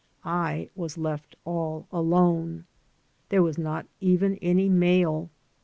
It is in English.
I was left all alone. There was not even any mail.